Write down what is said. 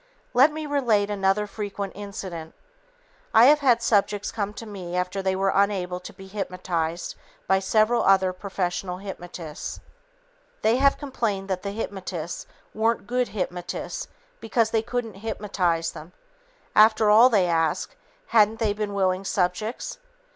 Let me relate another frequent incident. I have had subjects come to me after they were unable to be hypnotized by several other professional hypnotists. They have complained that the hypnotists weren't "good hypnotists" because they couldn't hypnotize them. After all, they ask, hadn't they been willing subjects?